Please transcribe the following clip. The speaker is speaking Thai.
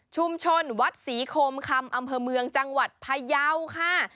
ชุมชนวัดศรีโคมคำอำเภอเมืองจังหวัดพยาวค่ะ